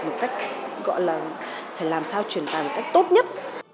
một cách gọi là phải làm sao truyền tải một cách tốt nhất